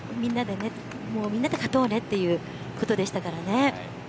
みんなで勝とうねということでしたからね。